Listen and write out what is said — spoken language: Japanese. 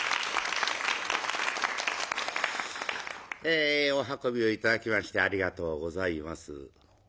えお運びを頂きましてありがとうございます。